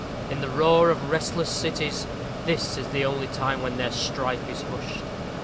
In the roar of restless cities, this is the only time when their strife is hushed.